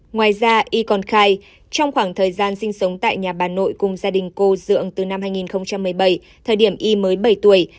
ngoài ra y còn khai trong khoảng thời gian sinh sống tại nhà bà nội cùng gia đình cô dưỡng từ năm hai nghìn một mươi bảy thời điểm y mới bảy tuổi